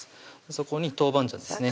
そこに豆板醤ですね